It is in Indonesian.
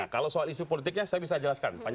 kalau soal isu politiknya saya bisa jelaskan